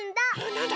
なんだ？